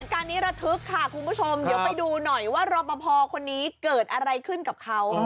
การนี้ระทึกค่ะคุณผู้ชมเดี๋ยวไปดูหน่อยว่ารอปภคนนี้เกิดอะไรขึ้นกับเขา